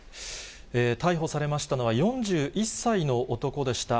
逮捕されましたのは４１歳の男でした。